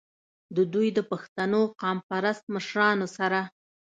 د دوي د پښتنو قام پرست مشرانو سره